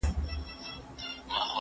زه له سهاره د ښوونځي کتابونه مطالعه کوم